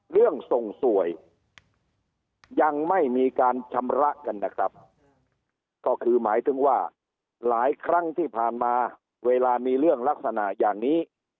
เรื่องส่งสวยยังไม่มีการชำระกันนะครับก็คือหมายถึงว่าหลายครั้งที่ผ่านมาเวลามีเรื่องลักษณะอย่างนี้